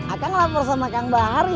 akan lapor sama kang bahar ya